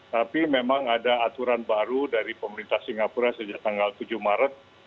tapi memang ada aturan baru dari pemerintah singapura sejak tanggal tujuh maret